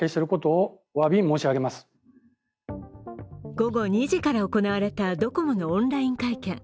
午後２時から行われたドコモのオンライン会見。